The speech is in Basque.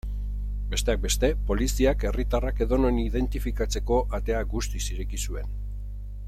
Besteak beste, poliziak herritarrak edonon identifikatzeko atea guztiz ireki zuen.